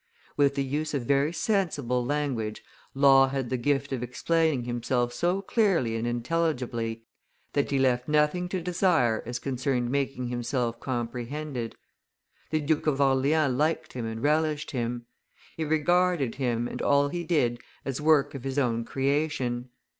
"With the use of very sensible language Law had the gift of explaining himself so clearly and intelligibly that he left nothing to desire as concerned making himself comprehended. The Duke of Orleans liked him and relished him. He regarded him and all he did as work of his own creation.